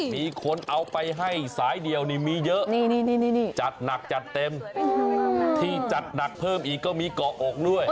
มีคนเอาไปให้สายเดียวนี่มีเยอะจัดหนักจัดเต็มที่จัดหนักเพิ่มอีกก็มีเกาะอกด้วย